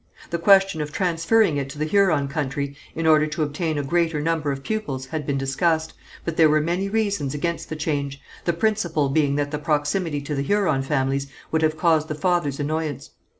The question of transferring it to the Huron country, in order to obtain a greater number of pupils had been discussed, but there were many reasons against the change, the principal being that the proximity to the Huron families would have caused the fathers annoyance.